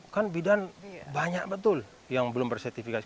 kan bidan banyak betul yang belum bersertifikasi